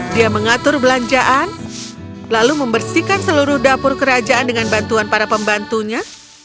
dia mengatur belanjaan lalu membersihkan seluruh dapur kerajaan dengan bantuan para pembantunya